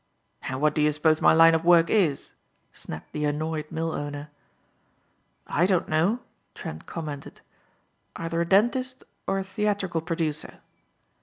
"And what do you suppose my line of work is?" snapped the annoyed mill owner. "I don't know," Trent commented. "Either a dentist or a theatrical producer."